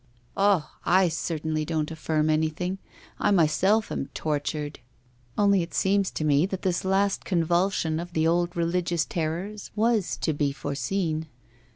Ah! I certainly don't affirm anything; I myself am tortured. Only it seems to me that this last convulsion of the old religious terrors was to be foreseen.